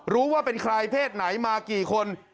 รู้ว่าเป็นใครเพศไหนมากี่คน